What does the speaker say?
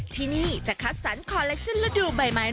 ที่นี่จะคัดสรรคอลเลคชั่นฤดูปใบใหม่